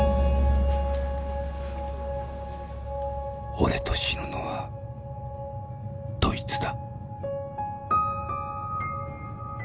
「俺と死ぬのはどいつだ」。